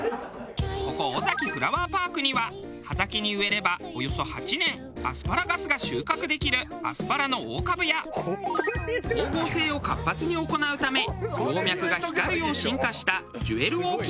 ここオザキフラワーパークには畑に植えればおよそ８年アスパラガスが収穫できるアスパラの大株や光合成を活発に行うため葉脈が光るよう進化したジュエルオーキッド。